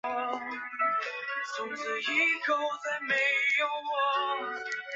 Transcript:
等效于没有连接闸极的闸流体。